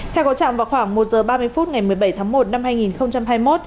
theo cầu trạng vào khoảng một giờ ba mươi phút ngày một mươi bảy tháng một năm hai nghìn một mươi tám